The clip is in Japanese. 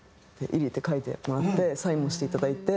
「ｉｒｉ」って書いてもらってサインもしていただいて。